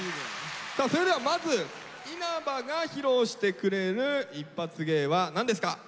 さあそれではまず稲葉が披露してくれるイッパツ芸は何ですか？